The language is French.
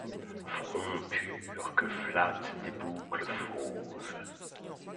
Front pur que flattent des boucles fauves !